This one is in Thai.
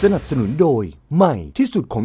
เฮ้ยไอ้ตอง